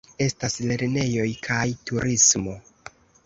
Estas lernejoj kaj turismo.